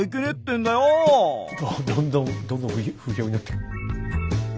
ああどんどんどんどん不評になっていく。